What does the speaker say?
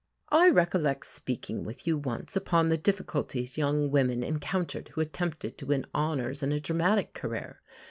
I recollect speaking with you once upon the difficulties young women encountered who attempted to win honours in a dramatic career.